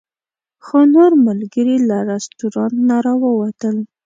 خو نور ملګري له رسټورانټ نه راووتل.